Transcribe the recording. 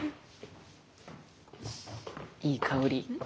いい香り。